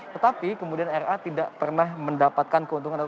tetapi kemudian ra tidak pernah mendapatkan keuntungan